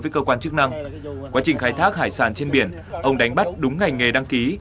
với cơ quan chức năng quá trình khai thác hải sản trên biển ông đánh bắt đúng ngành nghề đăng ký